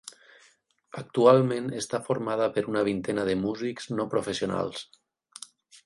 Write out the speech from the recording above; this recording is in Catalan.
Actualment està formada per una vintena de músics no professionals.